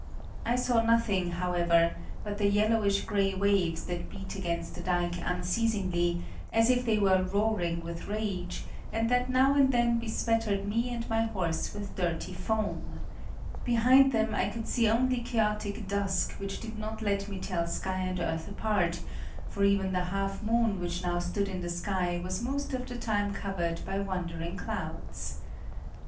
I saw nothing, however, but the yellowish grey waves that beat against the dike unceasingly, as if they were roaring with rage, and that now and then bespattered me and my horse with dirty foam; behind them I could see only chaotic dusk which did not let me tell sky and earth apart, for even the half moon which now stood in the sky was most of the time covered by wandering clouds.